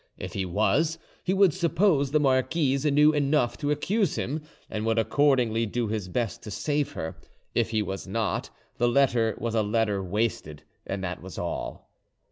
If he was, he would suppose the marquise knew enough to accuse him, and would accordingly do his best to save her; if he was not, the letter was a letter wasted, and that was all.